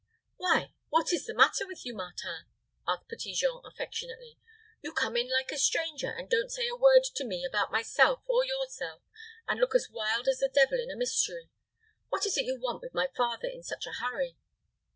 "Why, what is the matter with you, Martin?" asked Petit Jean, affectionately. "You come in like a stranger, and don't say a word to me about myself or yourself, and look as wild as the devil in a mystery. What is it you want with my father in such a hurry?"